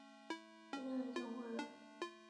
监制为岑国荣。